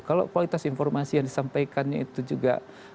kalau kualitas informasi yang disampaikannya itu juga